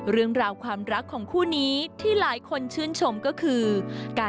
เรื่องราวความรักของคู่นี้ที่หลายคนชื่นชมก็คือการ